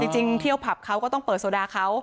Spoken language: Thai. จริงเที่ยวผับเขาก็ต้องเปิดโซดาเขา